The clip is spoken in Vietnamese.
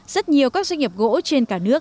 rất nhiều các doanh nghiệp gỗ trên cả nước